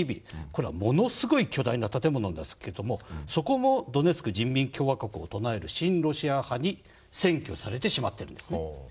これはものすごい巨大な建物ですけどそこもドネツク人民共和国をとなえる親ロシア派に占拠されてしまってるんですね。